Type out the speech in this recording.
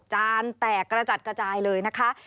จานแตกกระจัดกระจายเลยนะคะ